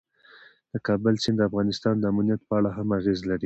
د کابل سیند د افغانستان د امنیت په اړه هم اغېز لري.